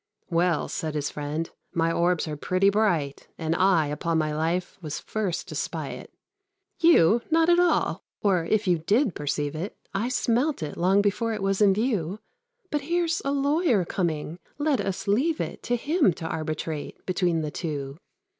"Well," said his friend, "my orbs are pretty bright, And I, upon my life, was first to spy it." "You? Not at all; or, if you did perceive it, I smelt it long before it was in view; But here's a lawyer coming let us leave it To him to arbitrate between the two."